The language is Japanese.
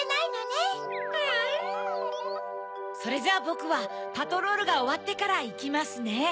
それじゃボクはパトロールがおわってからいきますね。